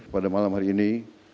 pada malam hari ini